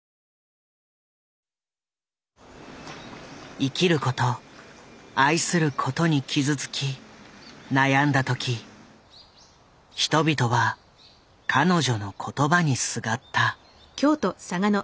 生きること愛することに傷つき悩んだ時人々は彼女の言葉にすがった。